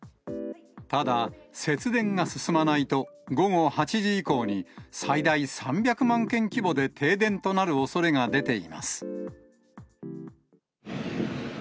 ただ、節電が進まないと、午後８時以降に、最大３００万軒規模で停電となるおそれが出ています。